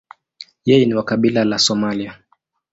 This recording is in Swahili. Yeye ni wa kabila la Somalia.